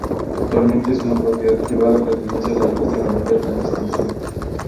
Actualmente es una propiedad privada, pertenece a la ilustre familia Hernández-Pinzón.